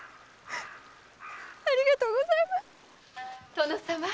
殿様。